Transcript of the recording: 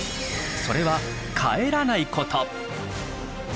それは「帰らない」こと！